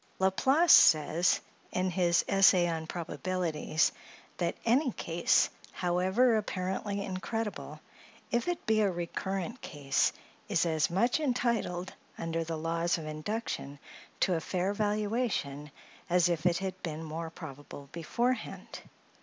La Place says, in his "Essay on Probabilities," that "any case, however apparently incredible, if it be a recurrent case, is as much entitled, under the laws of induction, to a fair valuation, as if it had been more probable beforehand."